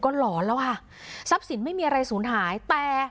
หลอนแล้วค่ะทรัพย์สินไม่มีอะไรสูญหายแต่